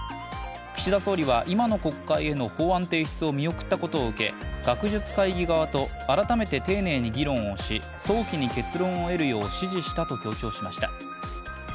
岸田総理は、今の国会への法案提出を見送ったことを受け学術会議側と改めて丁寧に議論をし早期に結論を得るよう指示したと強調しました。